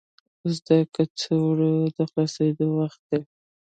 اوس د کڅوړو د خلاصولو وخت دی.